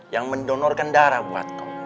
yang mendonorkan darah buat kau